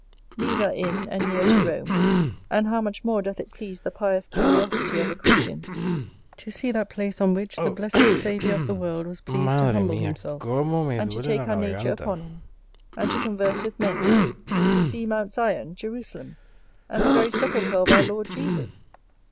These are in and near to Rome. And how much more doth it please the pious curiosity of a Christian, to see that place, on which the blessed Saviour of the world was pleased to humble himself, and to take our nature upon him, and to converse with men: to see Mount Sion, Jerusalem, and the very sepulchre of our Lord Jesus!